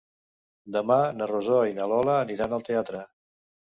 Demà na Rosó i na Lola aniran al teatre.